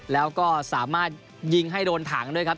แล้วก็สามารถยิงให้โดนถังด้วยครับ